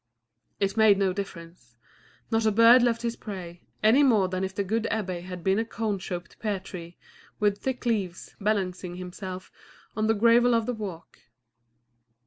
It made no difference; not a bird left his prey, any more than if the good abbé had been a cone shaped pear tree, with thick leaves, balancing himself on the gravel of the walk.